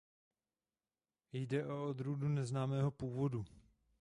Jde o odrůdu neznámého původu.